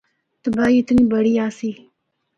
تباہی اتنی بڑی آسی۔